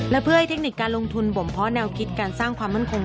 และเพื่อให้เทคนิคการลงทุนบ่มเพาะแนวคิดการสร้างความมั่นคง